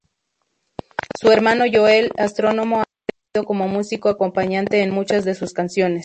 Su hermano Joel, astrónomo, ha aparecido como músico acompañante en muchas de sus canciones.